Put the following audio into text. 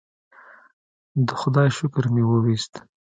د خدای شکر مې وویست.